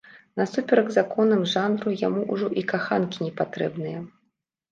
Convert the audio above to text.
Насуперак законам жанру, яму ўжо і каханкі не патрэбныя.